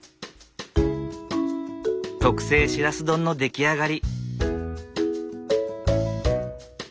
特製しらす丼の出来上がり。